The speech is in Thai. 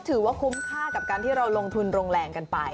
ถือว่าคุ้มค่ากับการที่เราลงทุนโรงแรงกันไป